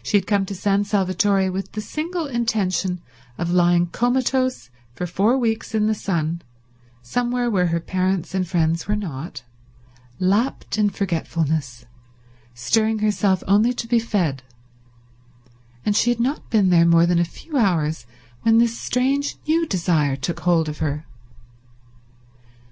She had come to San Salvatore with the single intention of lying comatose for four weeks in the sun, somewhere where her parents and friends were not, lapped in forgetfulness, stirring herself only to be fed, and she had not been there more than a few hours when this strange new desire took hold of her.